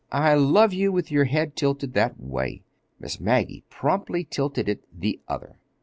"I love you with your head tilted that way." (Miss Maggie promptly tilted it the other.)